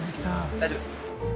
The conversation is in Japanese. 大丈夫ですか？